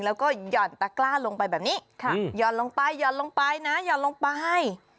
แล้วก็ยอดตะกร้าลงไปแบบนี้ค่ะยอดลงไปยอดลงไปนะยอดลงไป